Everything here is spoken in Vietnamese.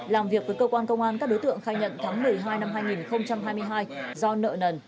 làm việc với cơ quan công an các đối tượng khai nhận tháng một mươi hai năm hai nghìn hai mươi hai do nợ nần